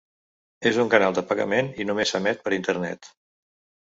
És un canal de pagament i només s'emet per Internet.